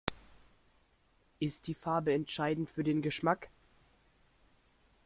Ist die Farbe entscheidend für den Geschmack?